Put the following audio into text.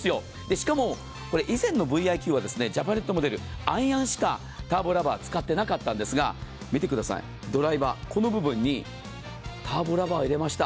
しかも以前のＶｉ‐Ｑはジャパネットモデル、アイアンしかターボラバー使っていなかったんですけれども見てください、ドライバー、この部分にターボラバー入れました。